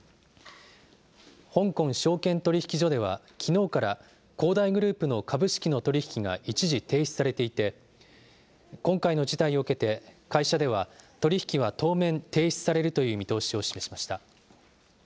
香港証券取引所ではきのうから、恒大グループの株式の取り引きが一時停止されていて、今回の事態を受けて、会社では取り引きは当面停止されるという見通しを示しました。